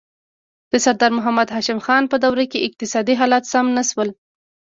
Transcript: د سردار محمد هاشم خان په دوره کې اقتصادي حالات سم نه شول.